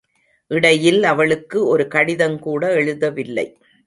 இடையில் அவளுக்கு ஒரு கடிதங் கூட எழுதவில்லை.